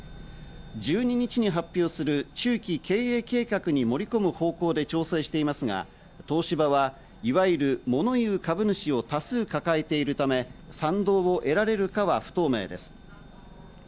１２日に発表する中期経営計画に盛り込む方向で調整していますが、東芝はいわゆるもの言う株主を多数抱えているため、賛同を得られるかは不透明です。